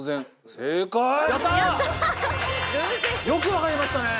よくわかりましたね！